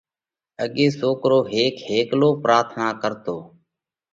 اڳي سوڪرو هيڪ هيڪلو پراٿنا ڪرتو،